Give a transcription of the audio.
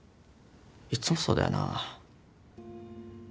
いつもそうだよな。